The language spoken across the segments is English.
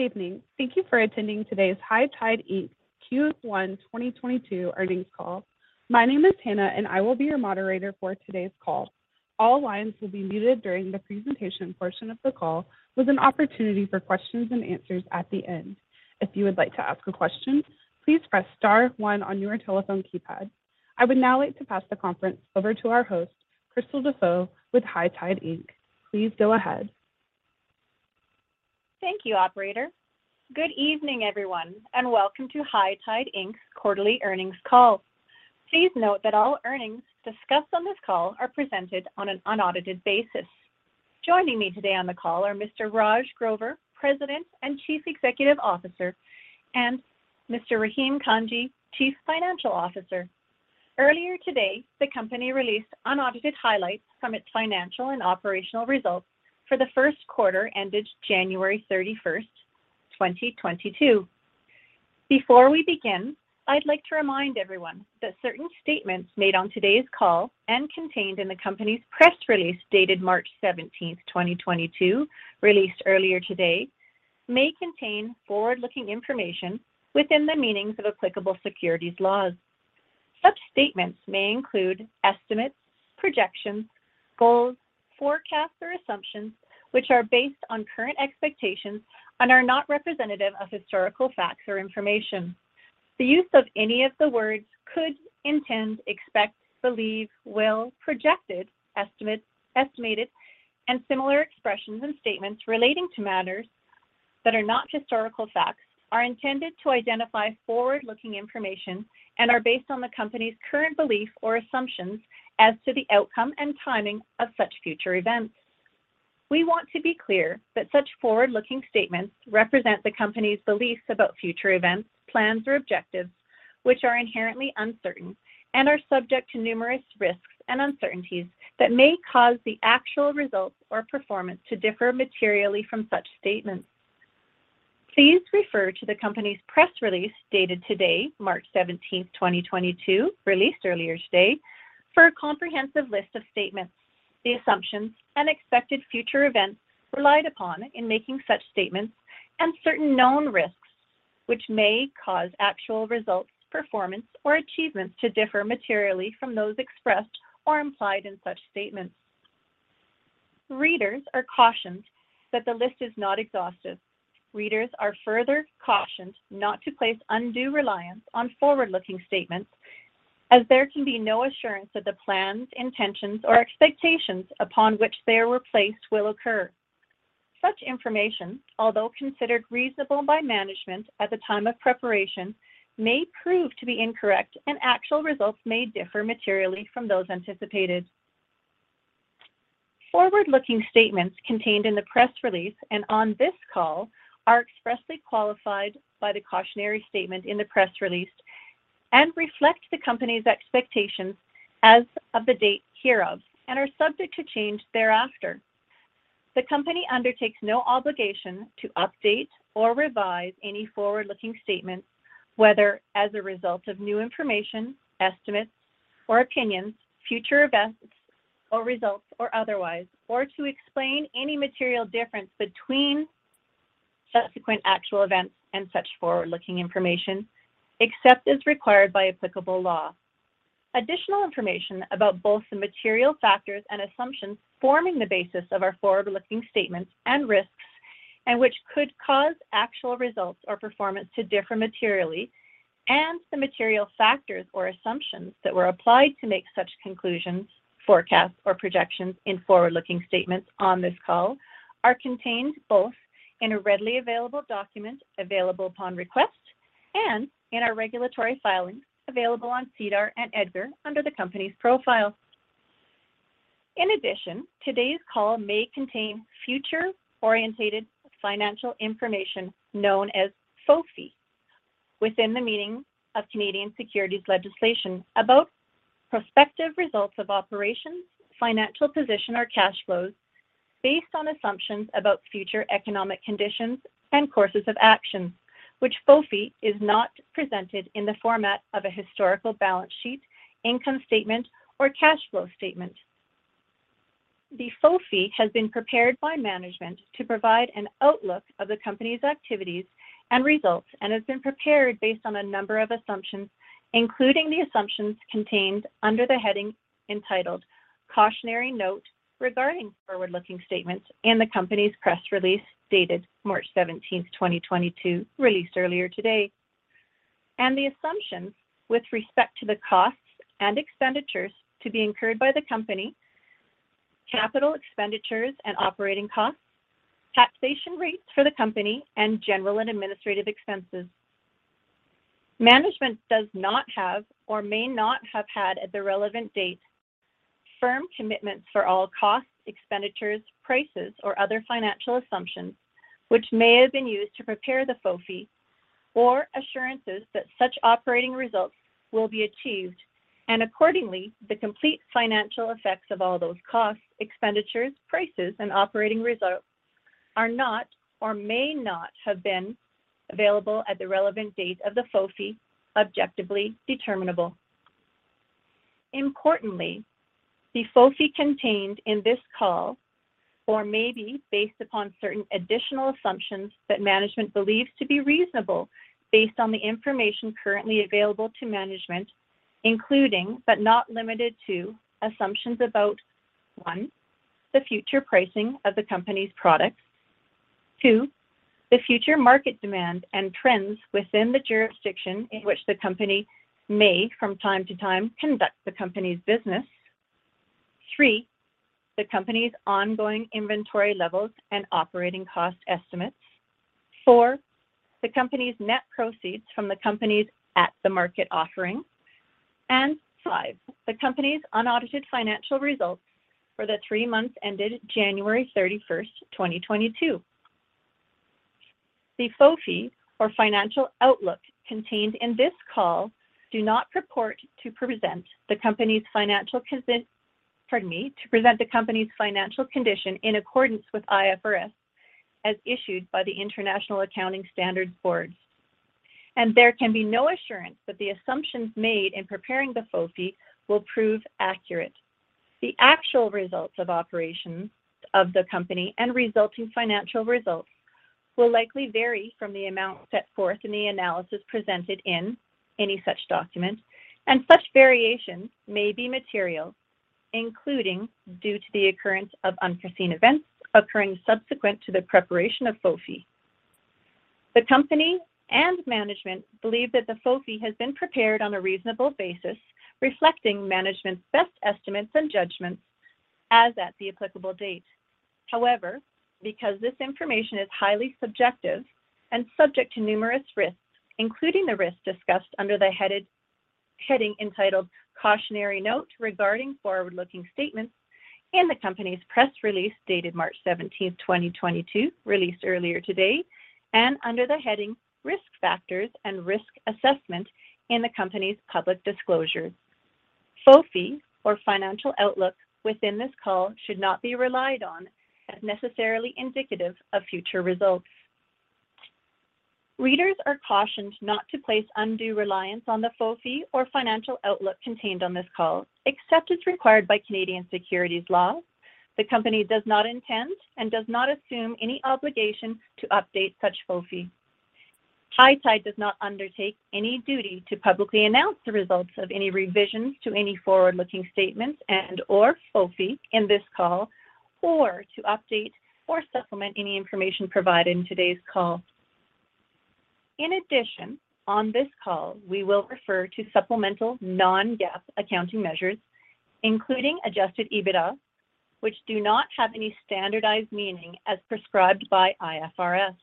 Good evening. Thank you for attending today's High Tide Inc.'s Q1 2022 earnings call. My name is Hannah, and I will be your moderator for today's call. All lines will be muted during the presentation portion of the call with an opportunity for questions and answers at the end. If you would like to ask a question, please press star one on your telephone keypad. I would now like to pass the conference over to our host, Krystal Dafoe with High Tide Inc. Please go ahead. Thank you, operator. Good evening, everyone, and welcome to High Tide Inc.'s quarterly earnings call. Please note that all earnings discussed on this call are presented on an unaudited basis. Joining me today on the call are Mr. Raj Grover, President and Chief Executive Officer, and Mr. Rahim Kanji, Chief Financial Officer. Earlier today, the company released unaudited highlights from its financial and operational results for the first quarter ended January 31st, 2022. Before we begin, I'd like to remind everyone that certain statements made on today's call and contained in the company's press release dated March 17th, 2022, released earlier today, may contain forward-looking information within the meanings of applicable securities laws. Such statements may include estimates, projections, goals, forecasts, or assumptions which are based on current expectations and are not representative of historical facts or information. The use of any of the words could, intend, expect, believe, will, projected, estimate, estimated, and similar expressions and statements relating to matters that are not historical facts are intended to identify forward-looking information and are based on the company's current belief or assumptions as to the outcome and timing of such future events. We want to be clear that such forward-looking statements represent the company's beliefs about future events, plans, or objectives, which are inherently uncertain and are subject to numerous risks and uncertainties that may cause the actual results or performance to differ materially from such statements. Please refer to the company's press release dated today, March 17th, 2022, released earlier today for a comprehensive list of statements, the assumptions, and expected future events relied upon in making such statements, and certain known risks which may cause actual results, performance, or achievements to differ materially from those expressed or implied in such statements. Readers are cautioned that the list is not exhaustive. Readers are further cautioned not to place undue reliance on forward-looking statements, as there can be no assurance that the plans, intentions, or expectations upon which they are based will occur. Such information, although considered reasonable by management at the time of preparation, may prove to be incorrect, and actual results may differ materially from those anticipated. Forward-looking statements contained in the press release and on this call are expressly qualified by the cautionary statement in the press release and reflect the company's expectations as of the date hereof and are subject to change thereafter. The company undertakes no obligation to update or revise any forward-looking statements, whether as a result of new information, estimates or opinions, future events or results or otherwise, or to explain any material difference between subsequent actual events and such forward-looking information, except as required by applicable law. Additional information about both the material factors and assumptions forming the basis of our forward-looking statements and risks, and which could cause actual results or performance to differ materially, and the material factors or assumptions that were applied to make such conclusions, forecasts or projections in forward-looking statements on this call are contained both in a readily available document available upon request and in our regulatory filings available on SEDAR and EDGAR under the company's profile. In addition, today's call may contain future-oriented financial information known as FOFI within the meaning of Canadian securities legislation about prospective results of operations, financial position, or cash flows based on assumptions about future economic conditions and courses of action, which FOFI is not presented in the format of a historical balance sheet, income statement, or cash flow statement. The FOFI has been prepared by management to provide an outlook of the company's activities and results, and has been prepared based on a number of assumptions, including the assumptions contained under the heading entitled Cautionary Note Regarding Forward-Looking Statements in the company's press release dated March 17th, 2022, released earlier today, and the assumptions with respect to the costs and expenditures to be incurred by the company, capital expenditures and operating costs, taxation rates for the company, and general and administrative expenses. Management does not have or may not have had at the relevant date firm commitments for all costs, expenditures, prices, or other financial assumptions which may have been used to prepare the FOFI or assurances that such operating results will be achieved, and accordingly, the complete financial effects of all those costs, expenditures, prices, and operating results are not or may not have been available at the relevant date of the FOFI objectively determinable. Importantly, the FOFI contained in this call, or may be based upon certain additional assumptions that management believes to be reasonable based on the information currently available to management, including, but not limited to, assumptions about, one, the future pricing of the company's products. Two, the future market demand and trends within the jurisdiction in which the company may from time to time conduct the company's business. Three, the company's ongoing inventory levels and operating cost estimates. Four, the company's net proceeds from the company's at-the-market offering. Five, the company's unaudited financial results for the three months ended January 31st, 2022. The FOFI or financial outlook contained in this call do not purport to present the company's financial condition in accordance with IFRS as issued by the International Accounting Standards Board. There can be no assurance that the assumptions made in preparing the FOFI will prove accurate. The actual results of operations of the company and resulting financial results will likely vary from the amount set forth in the analysis presented in any such document, and such variations may be material, including due to the occurrence of unforeseen events occurring subsequent to the preparation of FOFI. The company and management believe that the FOFI has been prepared on a reasonable basis, reflecting management's best estimates and judgments as at the applicable date. However, because this information is highly subjective and subject to numerous risks, including the risks discussed under the heading entitled "Cautionary Note Regarding Forward-Looking Statements" in the company's press release dated March 17th, 2022, released earlier today, and under the heading "Risk Factors and Risk Assessment" in the company's public disclosure, FOFI or financial outlook within this call should not be relied on as necessarily indicative of future results. Readers are cautioned not to place undue reliance on the FOFI or financial outlook contained on this call. Except as required by Canadian securities law, the company does not intend and does not assume any obligation to update such FOFI. High Tide does not undertake any duty to publicly announce the results of any revisions to any forward-looking statements and/or FOFI in this call, or to update or supplement any information provided in today's call. In addition, on this call, we will refer to supplemental non-GAAP accounting measures, including adjusted EBITDA, which do not have any standardized meaning as prescribed by IFRS.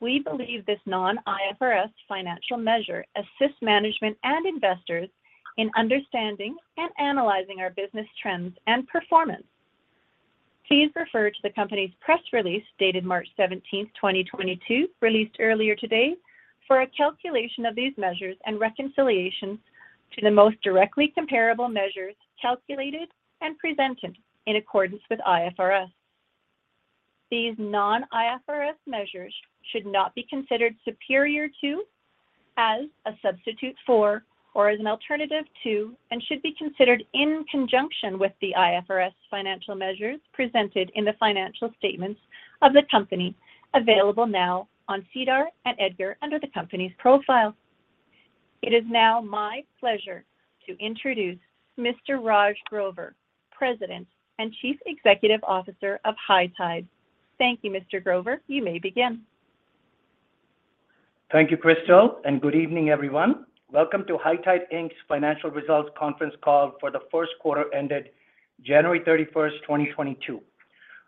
We believe this non-IFRS financial measure assists management and investors in understanding and analyzing our business trends and performance. Please refer to the company's press release dated March 17th, 2022, released earlier today, for a calculation of these measures and reconciliation to the most directly comparable measures calculated and presented in accordance with IFRS. These non-IFRS measures should not be considered superior to, as a substitute for, or as an alternative to, and should be considered in conjunction with the IFRS financial measures presented in the financial statements of the company available now on SEDAR and EDGAR under the company's profile. It is now my pleasure to introduce Mr. Raj Grover, President and Chief Executive Officer of High Tide. Thank you, Mr. Grover. You may begin. Thank you, Krystal, and good evening, everyone. Welcome to High Tide Inc.'s Financial Results Conference Call for the first quarter ended January 31st, 2022.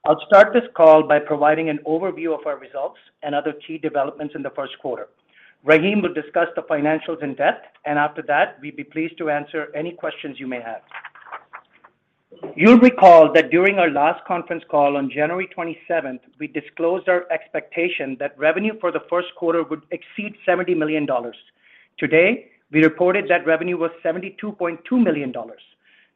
I'll start this call by providing an overview of our results and other key developments in the first quarter. Rahim will discuss the financials in depth, and after that, we'd be pleased to answer any questions you may have. You'll recall that during our last conference call on January 27th, we disclosed our expectation that revenue for the first quarter would exceed 70 million dollars. Today, we reported that revenue was 72.2 million dollars.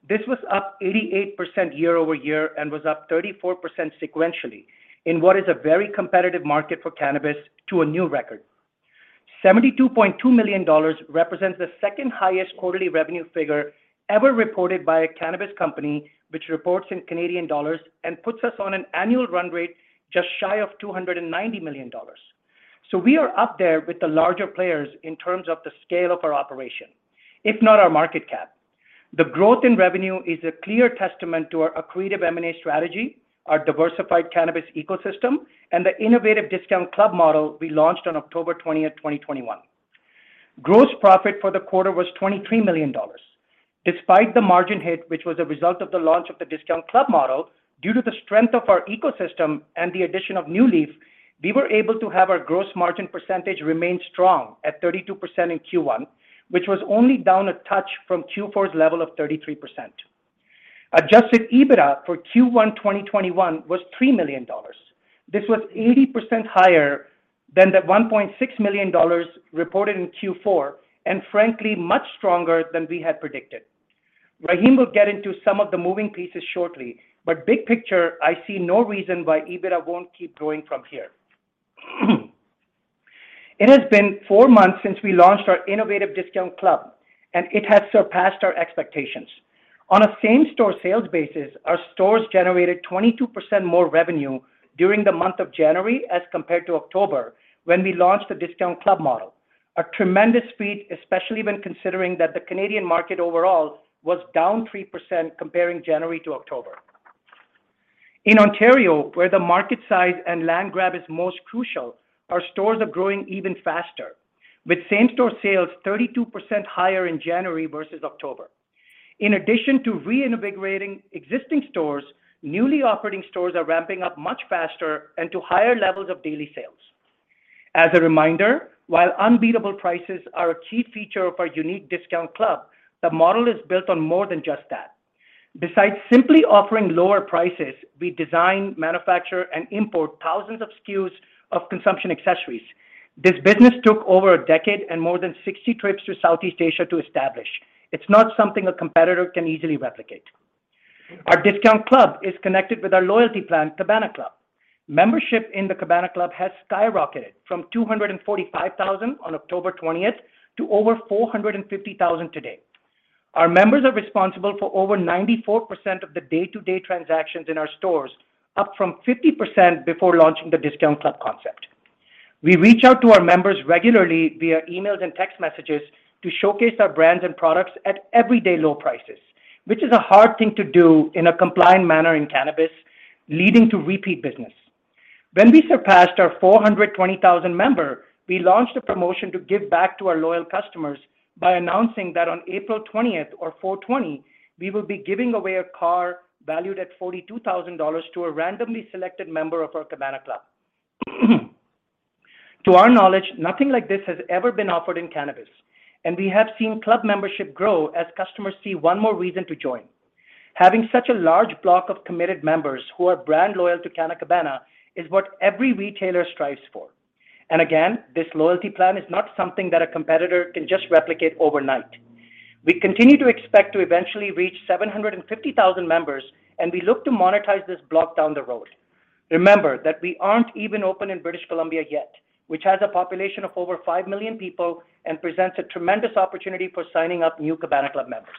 This was up 88% year-over-year and was up 34% sequentially in what is a very competitive market for cannabis to a new record. 72.2 million dollars represents the second-highest quarterly revenue figure ever reported by a cannabis company, which reports in Canadian dollars and puts us on an annual run rate just shy of 290 million dollars. We are up there with the larger players in terms of the scale of our operation, if not our market cap. The growth in revenue is a clear testament to our accretive M&A strategy, our diversified cannabis ecosystem, and the innovative discount club model we launched on October 20th, 2021. Gross profit for the quarter was 23 million dollars. Despite the margin hit, which was a result of the launch of the discount club model, due to the strength of our ecosystem and the addition of NuLeaf, we were able to have our gross margin percentage remain strong at 32% in Q1, which was only down a touch from Q4's level of 33%. Adjusted EBITDA for Q1 2021 was 3 million dollars. This was 80% higher than the 1.6 million dollars reported in Q4, and frankly, much stronger than we had predicted. Rahim will get into some of the moving pieces shortly, but big picture, I see no reason why EBITDA won't keep growing from here. It has been four months since we launched our innovative discount club, and it has surpassed our expectations. On a same-store sales basis, our stores generated 22% more revenue during the month of January as compared to October when we launched the discount club model. A tremendous feat, especially when considering that the Canadian market overall was down 3% comparing January to October. In Ontario, where the market size and land grab is most crucial, our stores are growing even faster, with same-store sales 32% higher in January versus October. In addition to reinvigorating existing stores, newly operating stores are ramping up much faster and to higher levels of daily sales. As a reminder, while unbeatable prices are a key feature of our unique discount club, the model is built on more than just that. Besides simply offering lower prices, we design, manufacture, and import thousands of SKUs of consumption accessories. This business took over a decade and more than 60 trips to Southeast Asia to establish. It's not something a competitor can easily replicate. Our discount club is connected with our loyalty plan, Cabana Club. Membership in the Cabana Club has skyrocketed from 245,000 on October twentieth to over 450,000 today. Our members are responsible for over 94% of the day-to-day transactions in our stores, up from 50% before launching the discount club concept. We reach out to our members regularly via emails and text messages to showcase our brands and products at everyday low prices, which is a hard thing to do in a compliant manner in cannabis, leading to repeat business. When we surpassed our 420,000 member, we launched a promotion to give back to our loyal customers by announcing that on April 20th or 04/20, we will be giving away a car valued at 42,000 dollars to a randomly selected member of our Cabana Club. To our knowledge, nothing like this has ever been offered in cannabis, and we have seen club membership grow as customers see one more reason to join. Having such a large block of committed members who are brand loyal to Canna Cabana is what every retailer strives for. Again, this loyalty plan is not something that a competitor can just replicate overnight. We continue to expect to eventually reach 750,000 members, and we look to monetize this block down the road. Remember that we aren't even open in British Columbia yet, which has a population of over 5 million people and presents a tremendous opportunity for signing up new Cabana Club members.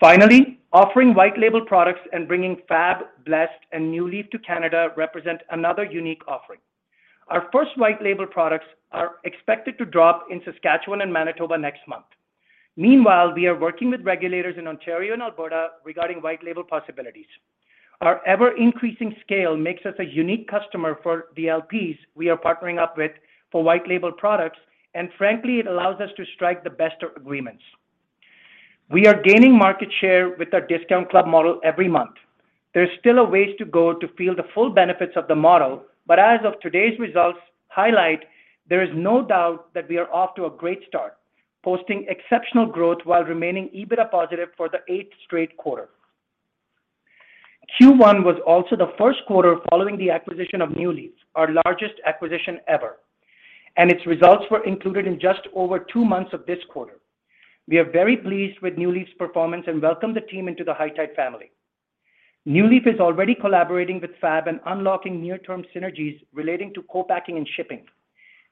Finally, offering white-label products and bringing FAB, Blessed, and NuLeaf to Canada represent another unique offering. Our first white-label products are expected to drop in Saskatchewan and Manitoba next month. Meanwhile, we are working with regulators in Ontario and Alberta regarding white-label possibilities. Our ever-increasing scale makes us a unique customer for DLPs we are partnering up with for white-label products, and frankly, it allows us to strike the best of agreements. We are gaining market share with our discount club model every month. There's still a ways to go to feel the full benefits of the model, but as of today's results highlight, there is no doubt that we are off to a great start, posting exceptional growth while remaining EBITDA positive for the eighth straight quarter. Q1 was also the first quarter following the acquisition of NuLeaf, our largest acquisition ever, and its results were included in just over two months of this quarter. We are very pleased with NuLeaf's performance and welcome the team into the High Tide family. NuLeaf is already collaborating with FAB and unlocking near-term synergies relating to co-packing and shipping.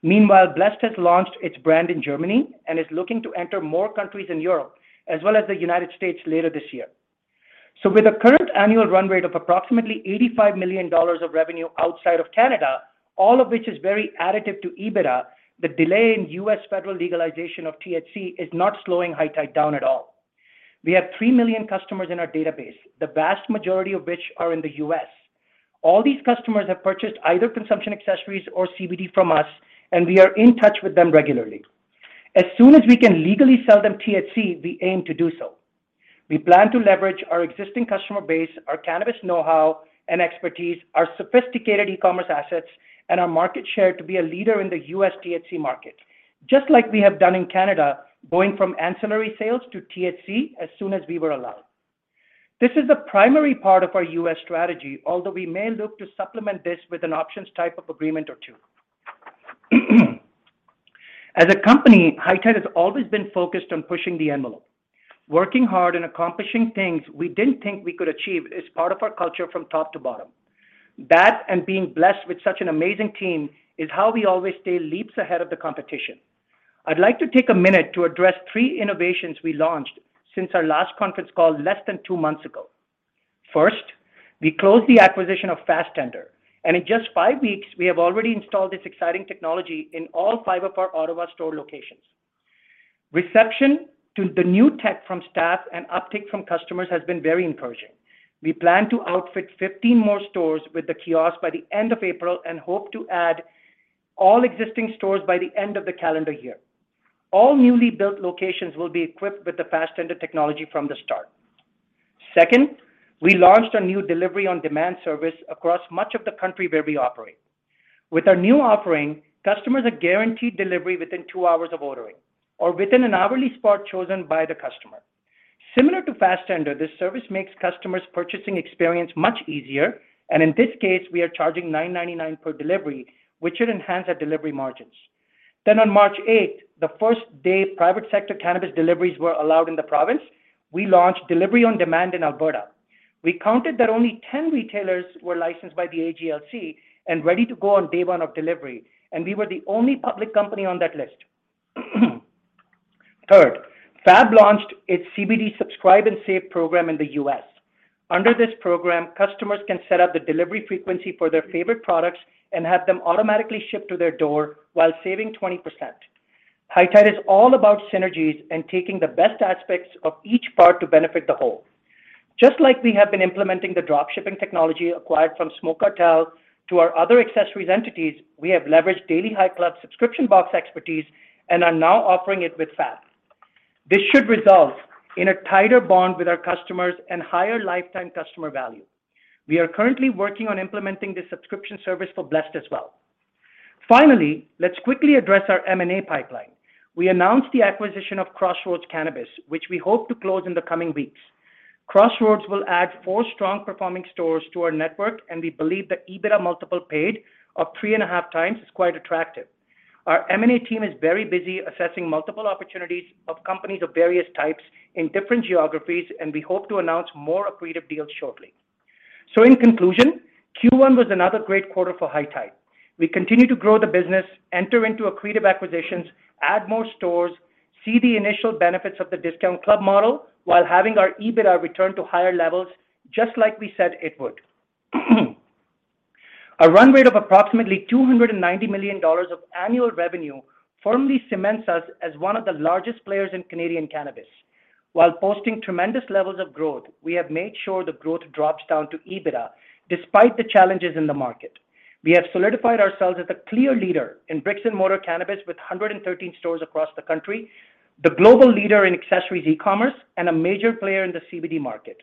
Meanwhile, Blessed has launched its brand in Germany and is looking to enter more countries in Europe, as well as the United States later this year. With a current annual run rate of approximately $85 million of revenue outside of Canada, all of which is very additive to EBITDA, the delay in U.S. federal legalization of THC is not slowing High Tide down at all. We have 3 million customers in our database, the vast majority of which are in the U.S. All these customers have purchased either consumption accessories or CBD from us, and we are in touch with them regularly. As soon as we can legally sell them THC, we aim to do so. We plan to leverage our existing customer base, our cannabis know-how and expertise, our sophisticated e-commerce assets, and our market share to be a leader in the U.S. THC market, just like we have done in Canada, going from ancillary sales to THC as soon as we were allowed. This is the primary part of our U.S. strategy, although we may look to supplement this with an options-type of agreement or two. As a company, High Tide has always been focused on pushing the envelope. Working hard and accomplishing things we didn't think we could achieve is part of our culture from top to bottom. That, and being blessed with such an amazing team, is how we always stay leaps ahead of the competition. I'd like to take a minute to address three innovations we launched since our last conference call less than two months ago. First, we closed the acquisition of Fastendr, and in just five weeks, we have already installed this exciting technology in all five of our Ottawa store locations. Reception to the new tech from staff and uptake from customers has been very encouraging. We plan to outfit 15 more stores with the kiosk by the end of April and hope to add all existing stores by the end of the calendar year. All newly built locations will be equipped with the Fastendr technology from the start. Second, we launched a new delivery-on-demand service across much of the country where we operate. With our new offering, customers are guaranteed delivery within two hours of ordering or within an hourly spot chosen by the customer. Similar to Fastendr, this service makes customers' purchasing experience much easier, and in this case, we are charging 9.99 per delivery, which should enhance our delivery margins. On March 8th, the first day private sector cannabis deliveries were allowed in the province, we launched delivery on demand in Alberta. We counted that only 10 retailers were licensed by the AGLC and ready to go on day one of delivery, and we were the only public company on that list. Third, FAB launched its CBD Subscribe-and-Save program in the U.S. Under this program, customers can set up the delivery frequency for their favorite products and have them automatically shipped to their door while saving 20%. High Tide is all about synergies and taking the best aspects of each part to benefit the whole. Just like we have been implementing the drop shipping technology acquired from Smoke Cartel to our other accessories entities, we have leveraged Daily High Club subscription box expertise and are now offering it with FAB. This should result in a tighter bond with our customers and higher lifetime customer value. We are currently working on implementing this subscription service for Blessed as well. Finally, let's quickly address our M&A pipeline. We announced the acquisition of Crossroads Cannabis, which we hope to close in the coming weeks. Crossroads will add four strong performing stores to our network, and we believe the EBITDA multiple paid of 3.5x is quite attractive. Our M&A team is very busy assessing multiple opportunities of companies of various types in different geographies, and we hope to announce more accretive deals shortly. In conclusion, Q1 was another great quarter for High Tide. We continue to grow the business, enter into accretive acquisitions, add more stores, see the initial benefits of the discount club model while having our EBITDA return to higher levels just like we said it would. A run rate of approximately 290 million dollars of annual revenue firmly cements us as one of the largest players in Canadian cannabis. While posting tremendous levels of growth, we have made sure the growth drops down to EBITDA despite the challenges in the market. We have solidified ourselves as a clear leader in bricks and mortar cannabis with 113 stores across the country, the global leader in accessories e-commerce, and a major player in the CBD market.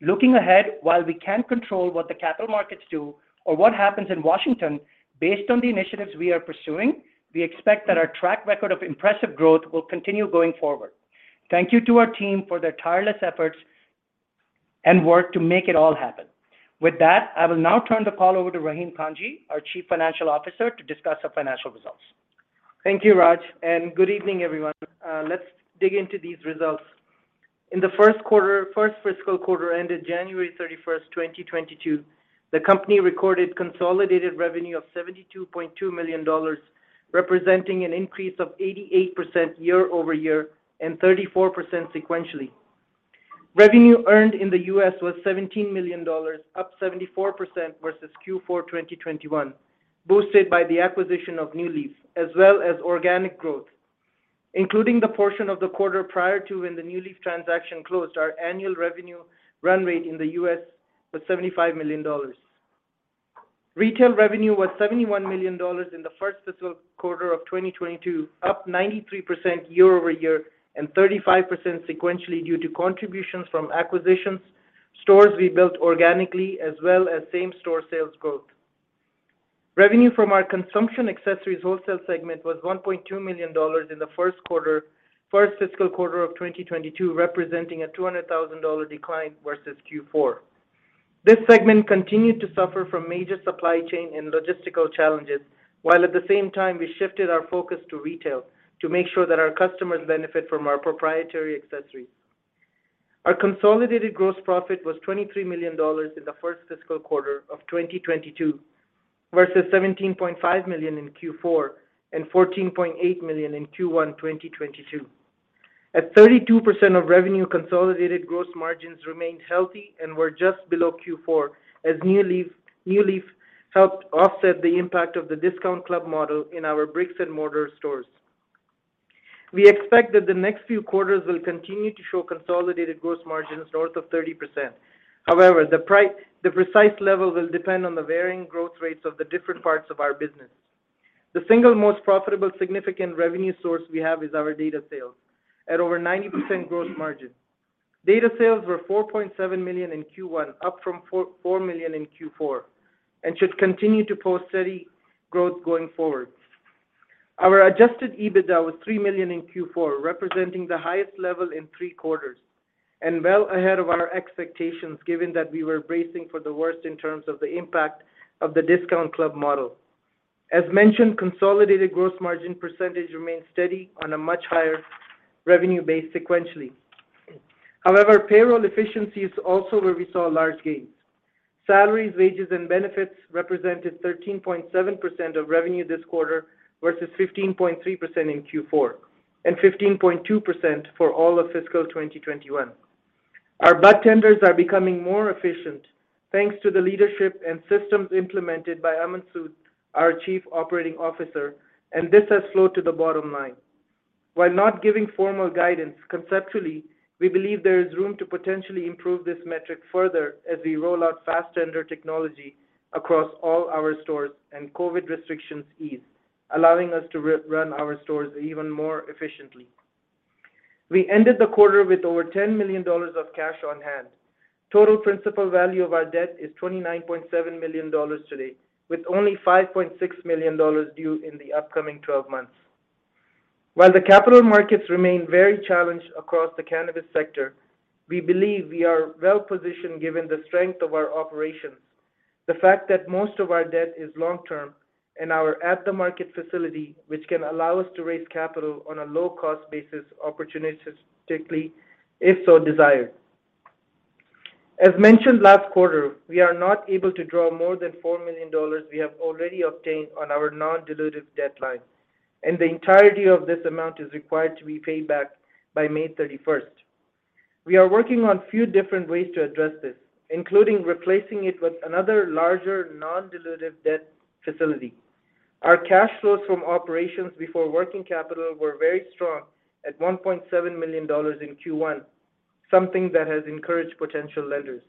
Looking ahead, while we can't control what the capital markets do or what happens in Washington, based on the initiatives we are pursuing, we expect that our track record of impressive growth will continue going forward. Thank you to our team for their tireless efforts and work to make it all happen. With that, I will now turn the call over to Rahim Kanji, our Chief Financial Officer, to discuss our financial results. Thank you, Raj, and good evening, everyone. Let's dig into these results. In the first fiscal quarter ended January 31st, 2022, the company recorded consolidated revenue of 72.2 million dollars, representing an increase of 88% year-over-year and 34% sequentially. Revenue earned in the U.S. was $17 million, up 74% versus Q4 2021, boosted by the acquisition of NuLeaf as well as organic growth. Including the portion of the quarter prior to when the NuLeaf transaction closed, our annual revenue run rate in the U.S. was $75 million. Retail revenue was 71 million dollars in the first fiscal quarter of 2022, up 93% year-over-year and 35% sequentially due to contributions from acquisitions, stores we built organically, as well as same-store sales growth. Revenue from our consumption accessories wholesale segment was 1.2 million dollars in the first fiscal quarter of 2022, representing a 200,000 dollar decline versus Q4. This segment continued to suffer from major supply chain and logistical challenges, while at the same time we shifted our focus to retail to make sure that our customers benefit from our proprietary accessories. Our consolidated gross profit was 23 million dollars in the first fiscal quarter of 2022 versus 17.5 million in Q4 and 14.8 million in Q1 2022. At 32% of revenue, consolidated gross margins remained healthy and were just below Q4 as NuLeaf helped offset the impact of the discount club model in our bricks-and-mortar stores. We expect that the next few quarters will continue to show consolidated gross margins north of 30%. However, the precise level will depend on the varying growth rates of the different parts of our business. The single most profitable significant revenue source we have is our data sales at over 90% gross margin. Data sales were 4.7 million in Q1, up from 4 million in Q4, and should continue to post steady growth going forward. Our adjusted EBITDA was 3 million in Q4, representing the highest level in three quarters and well ahead of our expectations given that we were bracing for the worst in terms of the impact of the discount club model. As mentioned, consolidated gross margin percentage remained steady on a much higher revenue base sequentially. However, payroll efficiency is also where we saw large gains. Salaries, wages, and benefits represented 13.7% of revenue this quarter versus 15.3% in Q4 and 15.2% for all of fiscal 2021. Our budtenders are becoming more efficient thanks to the leadership and systems implemented by Aman Sood, our Chief Operating Officer, and this has flowed to the bottom line. While not giving formal guidance conceptually, we believe there is room to potentially improve this metric further as we roll out Fastendr technology across all our stores and COVID restrictions ease, allowing us to run our stores even more efficiently. We ended the quarter with over 10 million dollars of cash on hand. Total principal value of our debt is 29.7 million dollars today, with only 5.6 million dollars due in the upcoming 12 months. While the capital markets remain very challenged across the cannabis sector, we believe we are well-positioned given the strength of our operations, the fact that most of our debt is long-term, and our at-the-market facility, which can allow us to raise capital on a low-cost basis, opportunistically if so desired. As mentioned last quarter, we are not able to draw more than 4 million dollars we have already obtained on our non-dilutive debt line, and the entirety of this amount is required to be paid back by May 31st. We are working on a few different ways to address this, including replacing it with another larger non-dilutive debt facility. Our cash flows from operations before working capital were very strong at 1.7 million dollars in Q1, something that has encouraged potential lenders.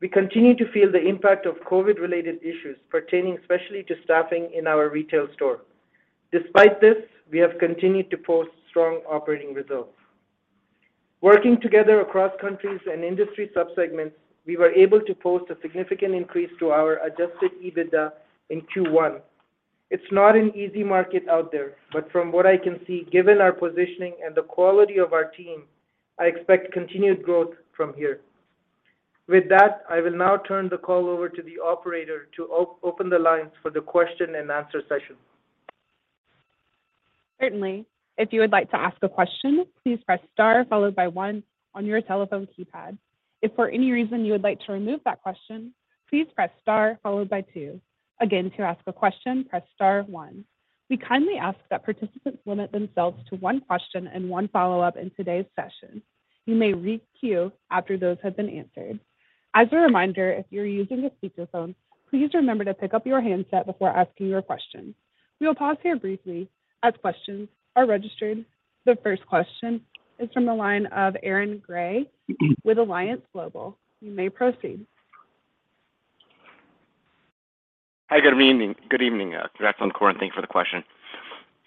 We continue to feel the impact of COVID-related issues pertaining especially to staffing in our retail store. Despite this, we have continued to post strong operating results. Working together across countries and industry sub-segments, we were able to post a significant increase to our adjusted EBITDA in Q1. It's not an easy market out there, but from what I can see, given our positioning and the quality of our team, I expect continued growth from here. With that, I will now turn the call over to the operator to open the lines for the question and answer session. Certainly. If you would like to ask a question, please press star followed by one on your telephone keypad. If for any reason you would like to remove that question, please press star followed by two. Again, to ask a question, press star one. We kindly ask that participants limit themselves to one question and one follow-up in today's session. You may re-queue after those have been answered. As a reminder, if you're using a speakerphone, please remember to pick up your handset before asking your question. We will pause here briefly as questions are registered. The first question is from the line of Aaron Grey with Alliance Global. You may proceed. Hi, good evening. Good evening. Congrats on the quarter, and thanks for the question.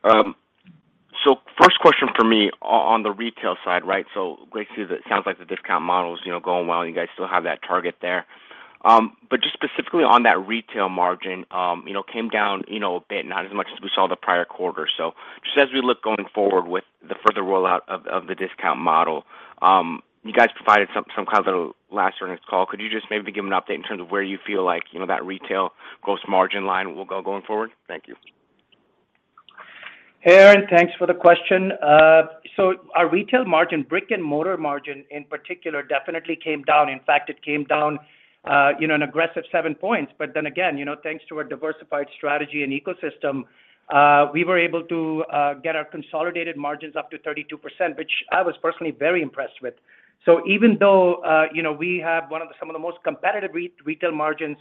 First question from me on the retail side, right? Basically, it sounds like the discount model is, you know, going well, and you guys still have that target there. Just specifically on that retail margin, you know, came down, you know, a bit, not as much as we saw the prior quarter. Just as we look going forward with the further rollout of the discount model, you guys provided some clarity last earnings call. Could you just maybe give an update in terms of where you feel like, you know, that retail gross margin line will go going forward? Thank you. Aaron, thanks for the question. Our retail margin, brick-and-mortar margin in particular, definitely came down. In fact, it came down, you know, an aggressive 7 points. Thanks to our diversified strategy and ecosystem, we were able to get our consolidated margins up to 32%, which I was personally very impressed with. Even though, you know, we have some of the most competitive retail margins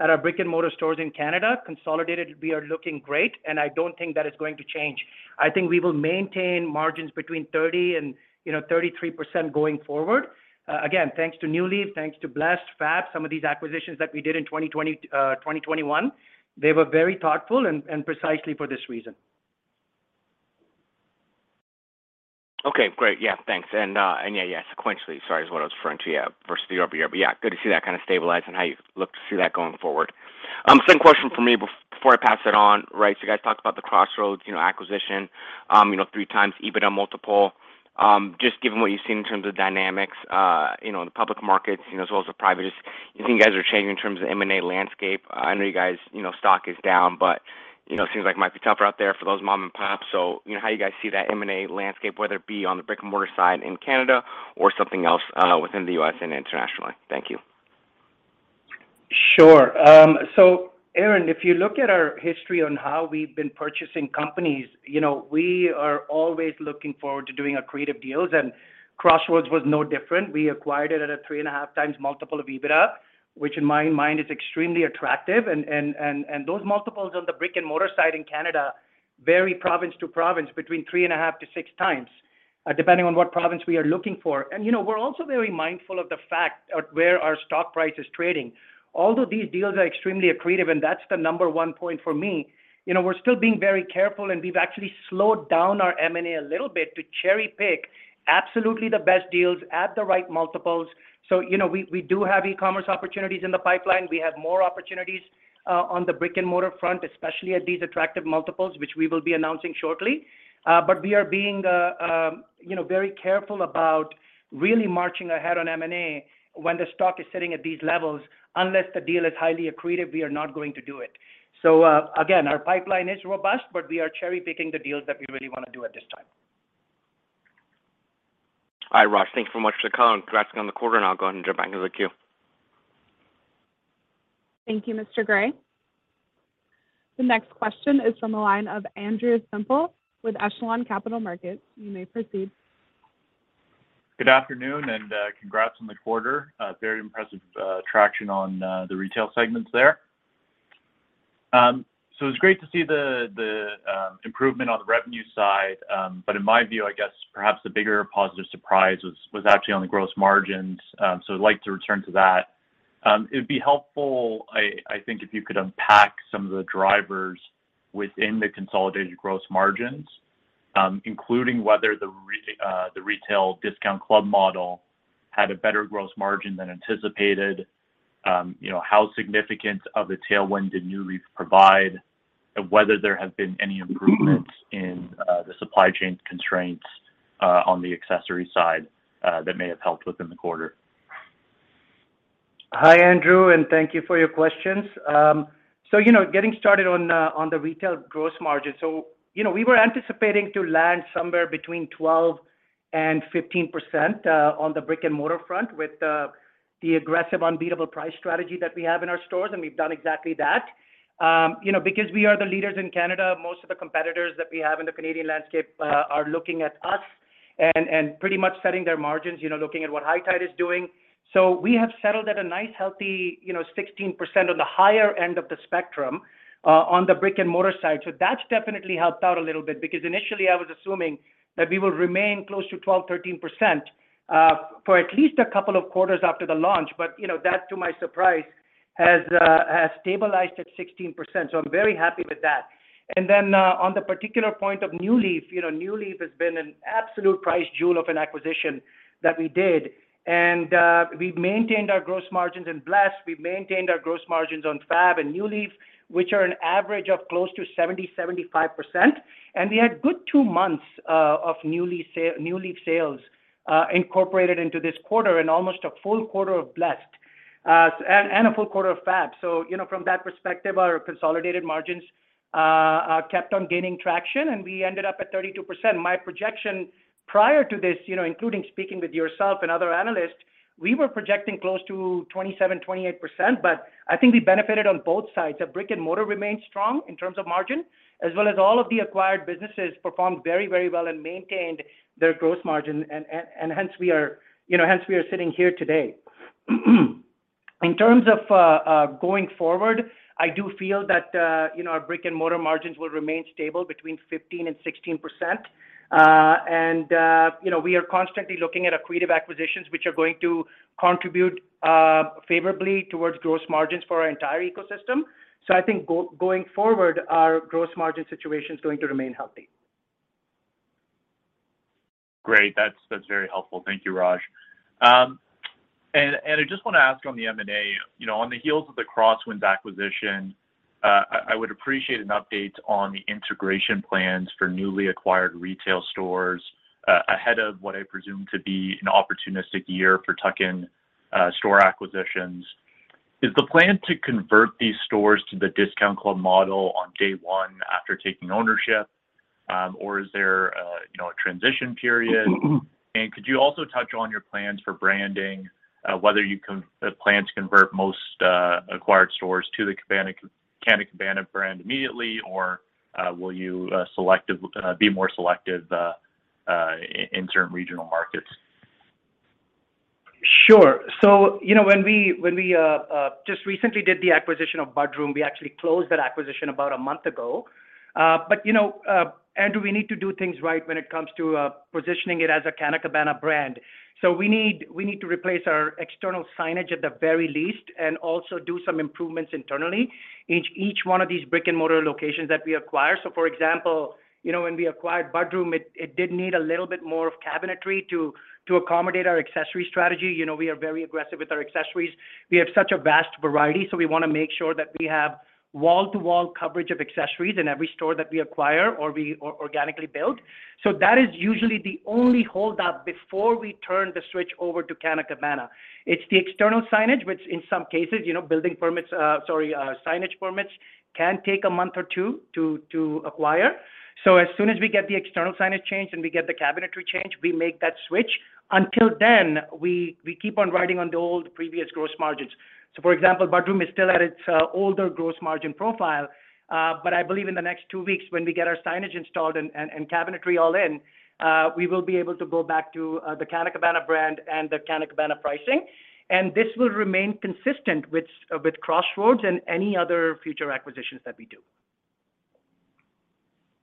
at our brick-and-mortar stores in Canada, consolidated, we are looking great, and I don't think that is going to change. I think we will maintain margins between 30% and, you know, 33% going forward. Again, thanks to NuLeaf, thanks to Blessed, FAB, some of these acquisitions that we did in 2021, they were very thoughtful and precisely for this reason. Okay, great. Yeah, thanks. Sequentially is what I was referring to, yeah, versus the year-over-year. Yeah, good to see that kind of stabilizing. How do you see that going forward? Second question from me before I pass it on, right? You guys talked about the Crossroads acquisition, you know, 3x EBITDA multiple. Just given what you've seen in terms of dynamics, you know, in the public markets, you know, as well as the private, do you think you guys are changing in terms of M&A landscape? I know you guys, you know, stock is down, but, you know, it seems like it might be tougher out there for those mom-and-pops. You know, how you guys see that M&A landscape, whether it be on the brick-and-mortar side in Canada or something else, within the U.S. and internationally. Thank you. Sure. Aaron, if you look at our history on how we've been purchasing companies, you know, we are always looking forward to doing accretive deals, and Crossroads was no different. We acquired it at a 3.5x multiple of EBITDA, which in my mind is extremely attractive. Those multiples on the brick-and-mortar side in Canada vary province to province between 3.5x-6x, depending on what province we are looking for. You know, we're also very mindful of the fact of where our stock price is trading. Although these deals are extremely accretive, and that's the number one point for me, you know, we're still being very careful, and we've actually slowed down our M&A a little bit to cherry-pick absolutely the best deals at the right multiples. You know, we do have e-commerce opportunities in the pipeline. We have more opportunities on the brick-and-mortar front, especially at these attractive multiples, which we will be announcing shortly. We are being you know, very careful about really marching ahead on M&A when the stock is sitting at these levels. Unless the deal is highly accretive, we are not going to do it. Again, our pipeline is robust, but we are cherry-picking the deals that we really wanna do at this time. All right, Raj. Thank you so much for the call and congrats again on the quarter, and I'll go ahead and jump back into the queue. Thank you, Mr. Grey. The next question is from the line of Andrew Semple with Echelon Capital Markets. You may proceed. Good afternoon, and congrats on the quarter. Very impressive traction on the retail segments there. It's great to see the improvement on the revenue side. In my view, I guess perhaps the bigger positive surprise was actually on the gross margins. I'd like to return to that. It'd be helpful, I think, if you could unpack some of the drivers within the consolidated gross margins, including whether the retail discount club model had a better gross margin than anticipated. You know, how significant of a tailwind did NuLeaf Cannabis provide? Whether there have been any improvements in the supply chain constraints on the accessory side that may have helped within the quarter. Hi, Andrew, and thank you for your questions. You know, getting started on the retail gross margin. You know, we were anticipating to land somewhere between 12% and 15% on the brick-and-mortar front with the aggressive unbeatable price strategy that we have in our stores, and we've done exactly that. You know, because we are the leaders in Canada, most of the competitors that we have in the Canadian landscape are looking at us and pretty much setting their margins, you know, looking at what High Tide is doing. We have settled at a nice, healthy, you know, 16% on the higher end of the spectrum on the brick-and-mortar side. That's definitely helped out a little bit because initially I was assuming that we will remain close to 12%-13% for at least a couple of quarters after the launch. You know, that, to my surprise, has stabilized at 16%, so I'm very happy with that. On the particular point of NuLeaf, you know, NuLeaf has been an absolute priceless jewel of an acquisition that we did. We've maintained our gross margins in Blessed. We've maintained our gross margins on FAB and NuLeaf, which are an average of close to 70%-75%. We had good two months of NuLeaf sales incorporated into this quarter and almost a full quarter of Blessed and a full quarter of FAB. You know, from that perspective, our consolidated margins kept on gaining traction, and we ended up at 32%. My projection prior to this, you know, including speaking with yourself and other analysts, we were projecting close to 27%-28%, but I think we benefited on both sides. The brick-and-mortar remained strong in terms of margin, as well as all of the acquired businesses performed very, very well and maintained their gross margin. Hence we are sitting here today. In terms of going forward, I do feel that, you know, our brick-and-mortar margins will remain stable between 15%-16%. You know, we are constantly looking at accretive acquisitions, which are going to contribute favorably towards gross margins for our entire ecosystem. I think going forward, our gross margin situation is going to remain healthy. Great. That's very helpful. Thank you, Raj. I just wanna ask on the M&A. You know, on the heels of the Crossroads acquisition, I would appreciate an update on the integration plans for newly acquired retail stores ahead of what I presume to be an opportunistic year for tuck-in store acquisitions. Is the plan to convert these stores to the discount club model on day one after taking ownership, or is there a transition period? Could you also touch on your plans for branding, whether you plan to convert most acquired stores to the Canna Cabana brand immediately, or will you be more selective in certain regional markets? Sure. You know, when we just recently did the acquisition of Bud Room, we actually closed that acquisition about a month ago. You know, Andrew, we need to do things right when it comes to positioning it as a Canna Cabana brand. We need to replace our external signage at the very least and also do some improvements internally in each one of these brick-and-mortar locations that we acquire. For example, you know, when we acquired Bud Room, it did need a little bit more of cabinetry to accommodate our accessory strategy. You know, we are very aggressive with our accessories. We have such a vast variety, so we wanna make sure that we have wall-to-wall coverage of accessories in every store that we acquire or organically build. That is usually the only holdout before we turn the switch over to Canna Cabana. It's the external signage, which in some cases, you know, signage permits can take a month or two to acquire. As soon as we get the external signage changed and we get the cabinetry changed, we make that switch. Until then, we keep on riding on the old previous gross margins. For example, Bud Room is still at its older gross margin profile. I believe in the next two weeks when we get our signage installed and cabinetry all in, we will be able to go back to the Canna Cabana brand and the Canna Cabana pricing. This will remain consistent with Crossroads and any other future acquisitions that we do.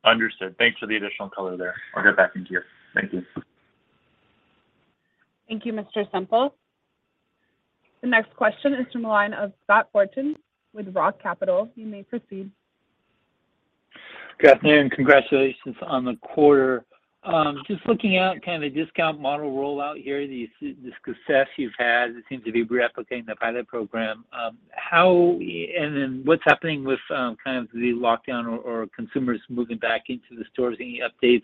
Understood. Thanks for the additional color there. I'll get back in queue. Thank you. Thank you, Mr. Semple. The next question is from the line of Scott Fortune with ROTH Capital. You may proceed. Good afternoon. Congratulations on the quarter. Just looking at kind of the discount model rollout here, the success you've had, it seems to be replicating the pilot program. What's happening with kind of the lockdown or consumers moving back into the stores? Any updates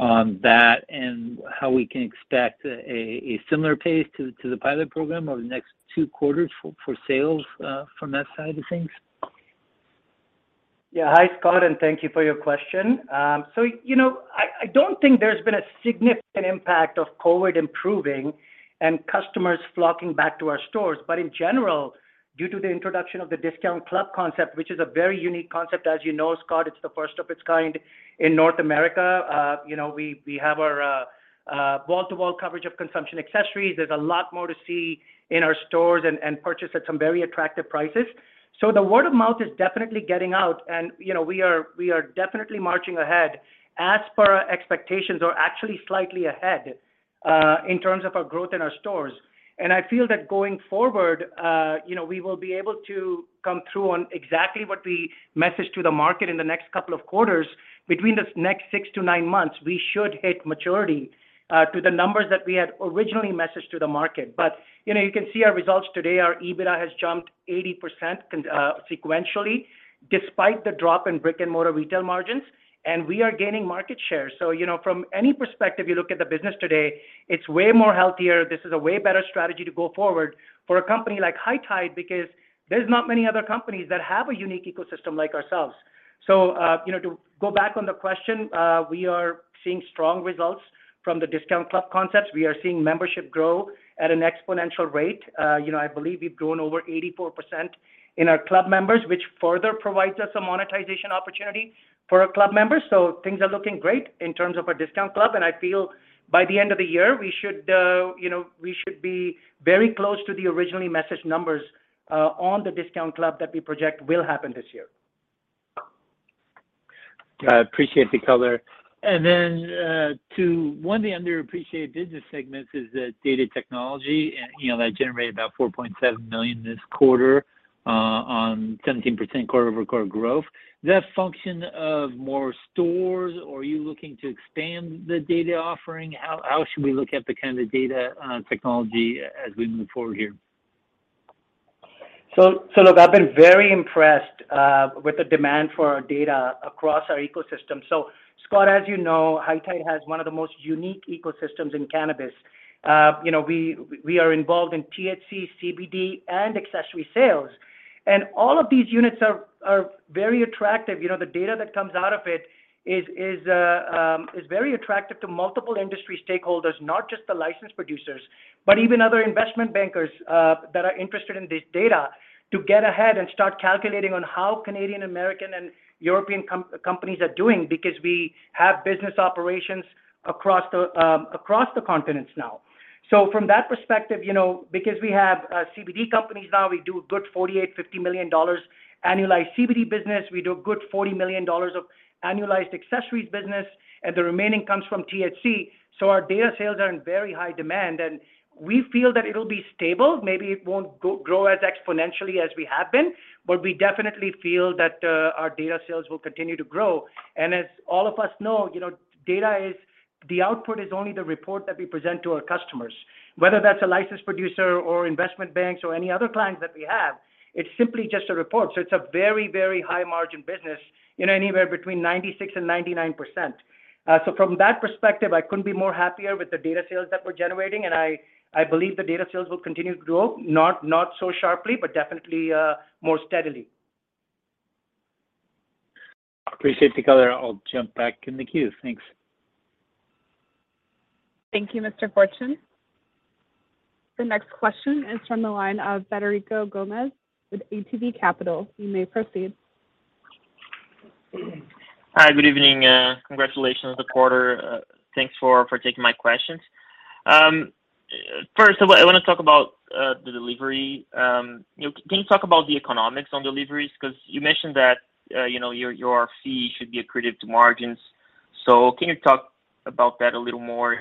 on that and how we can expect a similar pace to the pilot program over the next two quarters for sales from that side of things? Yeah. Hi, Scott, and thank you for your question. So, you know, I don't think there's been a significant impact of COVID improving and customers flocking back to our stores. In general, due to the introduction of the discount club concept, which is a very unique concept, as you know, Scott, it's the first of its kind in North America. You know, we have our wall-to-wall coverage of consumption accessories. There's a lot more to see in our stores and purchase at some very attractive prices. The word of mouth is definitely getting out, and, you know, we are definitely marching ahead as per our expectations or actually slightly ahead in terms of our growth in our stores. I feel that going forward, you know, we will be able to come through on exactly what we messaged to the market in the next couple of quarters. Between the next six to nine months, we should hit maturity to the numbers that we had originally messaged to the market. You know, you can see our results today. Our EBITDA has jumped 80% sequentially despite the drop in brick-and-mortar retail margins, and we are gaining market share. You know, from any perspective you look at the business today, it's way more healthier. This is a way better strategy to go forward for a company like High Tide because there's not many other companies that have a unique ecosystem like ourselves. You know, to go back on the question, we are seeing strong results from the discount club concepts. We are seeing membership grow at an exponential rate. You know, I believe we've grown over 84% in our club members, which further provides us a monetization opportunity for our club members. Things are looking great in terms of our discount club, and I feel by the end of the year, we should be very close to the originally messaged numbers on the discount club that we project will happen this year. I appreciate the color. One of the underappreciated business segments is the data technology and, you know, that generated about 4.7 million this quarter, on 17% quarter-over-quarter growth. Is that a function of more stores, or are you looking to expand the data offering? How should we look at the kind of data technology as we move forward here? Look, I've been very impressed with the demand for our data across our ecosystem. Scott, as you know, High Tide has one of the most unique ecosystems in cannabis. You know, we are involved in THC, CBD, and accessory sales. All of these units are very attractive. You know, the data that comes out of it is very attractive to multiple industry stakeholders, not just the licensed producers, but even other investment bankers that are interested in this data to get ahead and start calculating on how Canadian, American, and European companies are doing because we have business operations across the continents now. From that perspective, you know, because we have CBD companies now, we do a good 48 million-50 million dollars annualized CBD business. We do a good 40 million dollars of annualized accessories business, and the remaining comes from THC, so our data sales are in very high demand, and we feel that it'll be stable. Maybe it won't grow as exponentially as we have been, but we definitely feel that our data sales will continue to grow. As all of us know, you know, data is the output is only the report that we present to our customers. Whether that's a licensed producer or investment banks or any other clients that we have, it's simply just a report, so it's a very, very high margin business, you know, anywhere between 96%-99%. From that perspective, I couldn't be more happier with the retail sales that we're generating, and I believe the retail sales will continue to grow, not so sharply, but definitely, more steadily. Appreciate the color. I'll jump back in the queue. Thanks. Thank you, Mr. Fortune. The next question is from the line of Frederico Gomes with ATB Capital. You may proceed. Hi, good evening. Congratulations on the quarter. Thanks for taking my questions. First, I wanna talk about the delivery. You know, can you talk about the economics on deliveries? Because you mentioned that you know, your fee should be accretive to margins. So can you talk about that a little more?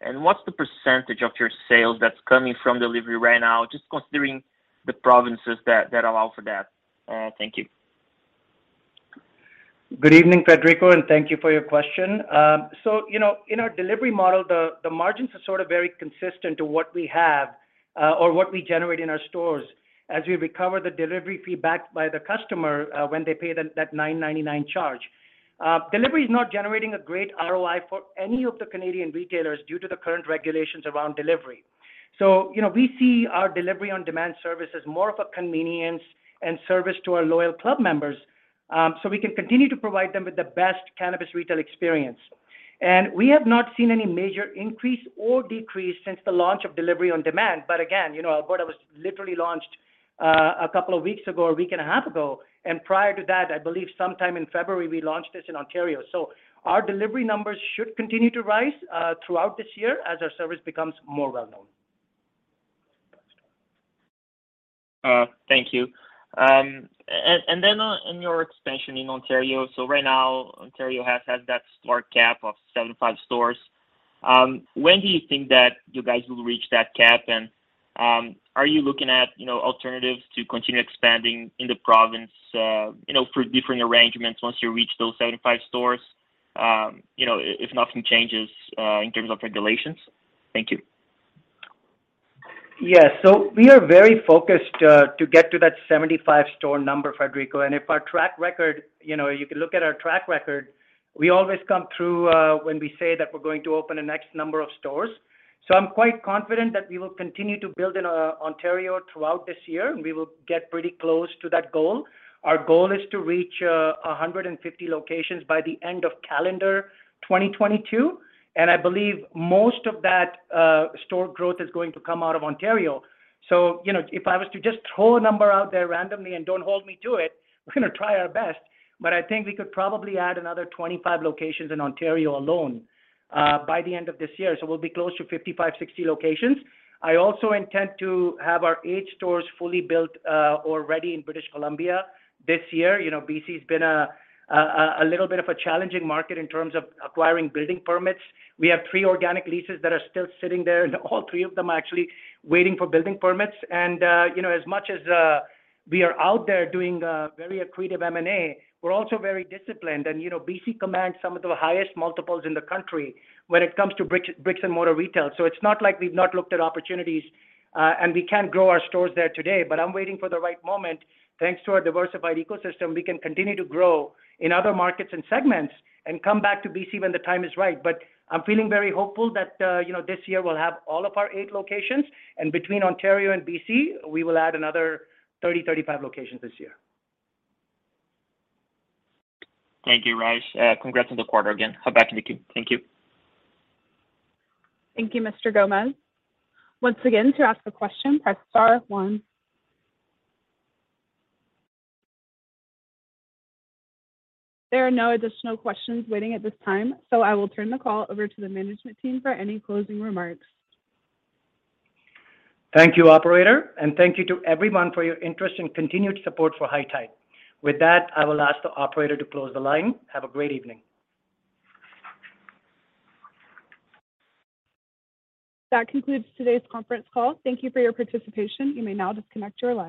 And what's the percentage of your sales that's coming from delivery right now, just considering the provinces that allow for that? Thank you. Good evening, Frederico, and thank you for your question. So you know, in our delivery model, the margins are sort of very consistent to what we have or what we generate in our stores as we recover the delivery fee back by the customer when they pay that 9.99 charge. Delivery is not generating a great ROI for any of the Canadian retailers due to the current regulations around delivery. You know, we see our delivery on-demand service as more of a convenience and service to our loyal club members so we can continue to provide them with the best cannabis retail experience. We have not seen any major increase or decrease since the launch of delivery on demand, but again, you know, Alberta was literally launched a couple of weeks ago or a week and a half ago. Prior to that, I believe sometime in February, we launched this in Ontario. Our delivery numbers should continue to rise throughout this year as our service becomes more well-known. Thank you. In your expansion in Ontario, so right now Ontario has had that store cap of 75 stores. When do you think that you guys will reach that cap? Are you looking at, you know, alternatives to continue expanding in the province, you know, for different arrangements once you reach those 75 stores, you know, if nothing changes in terms of regulations? Thank you. Yeah. We are very focused to get to that 75 store number, Frederico. If our track record, you know, you can look at our track record, we always come through when we say that we're going to open a next number of stores. I'm quite confident that we will continue to build in Ontario throughout this year, and we will get pretty close to that goal. Our goal is to reach 150 locations by the end of calendar 2022, and I believe most of that store growth is going to come out of Ontario. You know, if I was to just throw a number out there randomly, and don't hold me to it, we're gonna try our best, but I think we could probably add another 25 locations in Ontario alone, by the end of this year. We'll be close to 55, 60 locations. I also intend to have our eight stores fully built, or ready in British Columbia this year. You know, B.C. has been a little bit of a challenging market in terms of acquiring building permits. We have three organic leases that are still sitting there, and all three of them are actually waiting for building permits. You know, as much as we are out there doing very accretive M&A, we're also very disciplined. You know, B.C. commands some of the highest multiples in the country when it comes to bricks-and-mortar retail. It's not like we've not looked at opportunities, and we can't grow our stores there today, but I'm waiting for the right moment. Thanks to our diversified ecosystem, we can continue to grow in other markets and segments and come back to B.C. when the time is right. I'm feeling very hopeful that, you know, this year we'll have all of our eight locations. Between Ontario and B.C., we will add another 30-35 locations this year. Thank you, Raj. Congrats on the quarter again. Hop back in the queue. Thank you. Thank you, Mr. Gomes. Once again, to ask a question, press star one. There are no additional questions waiting at this time, so I will turn the call over to the management team for any closing remarks. Thank you, operator, and thank you to everyone for your interest and continued support for High Tide. With that, I will ask the operator to close the line. Have a great evening. That concludes today's conference call. Thank you for your participation. You may now disconnect your lines.